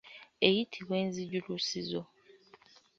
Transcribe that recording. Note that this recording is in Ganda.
Eyitibwa enzijulusizo.